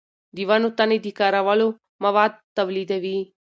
د ونو تنې د کارولو مواد تولیدوي.